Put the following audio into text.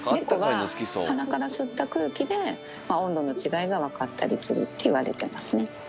猫は、鼻から吸った空気で、温度の違いが分かったりするっていわれてますね。